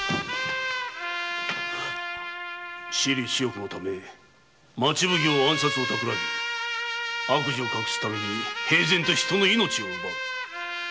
私利私欲のため町奉行の暗殺をたくらみ悪事を隠すために平然と人の命を奪う。